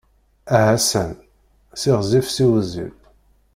Aha san! Siɣzif, siwzil.